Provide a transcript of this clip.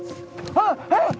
あっあっ！